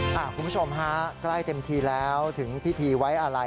คุณผู้ชมฮะใกล้เต็มทีแล้วถึงพิธีไว้อะไร